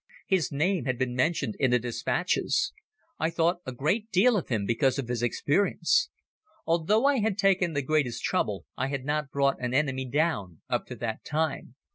His name had been mentioned in the dispatches. I thought a great deal of him because of his experience. Although I had taken the greatest trouble, I had not brought an enemy down up to that time.